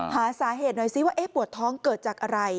หาสาเหตุหน่อยซิว่าปวดท้องเกิดจากอะไร